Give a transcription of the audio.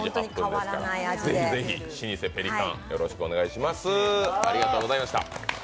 ぜひぜひ、老舗ペリカン、よろしくお願いします。